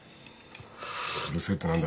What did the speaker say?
うるせえって何だ。